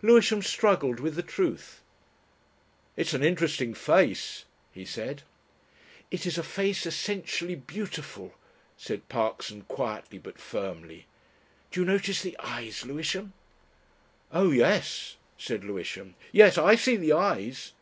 Lewisham struggled with the truth. "It's an interesting face," he said. "It is a face essentially beautiful," said Parkson quietly but firmly. "Do you notice the eyes, Lewisham?" "Oh yes," said Lewisham. "Yes. I see the eyes."